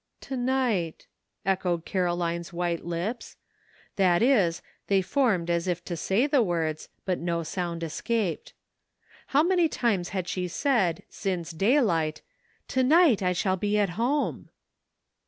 " To night," echoed Caroline's white lips ; that is, they formed as if to say the words, but no sound escaped. How many times had she said, since daylight, "To night I shall be at home?"